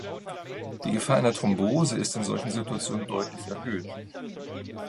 Die Gefahr einer Thrombose ist in solchen Situationen deutlich erhöht.